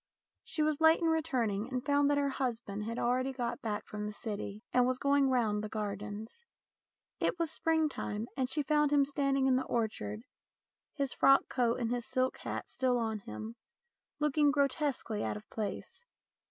She was late in returning, and found that her husband had already got back from the City and was going round the gardens. It was springtime, and she found him standing in the orchard, his frock coat and his silk hat still on him, looking grotesquely out of place.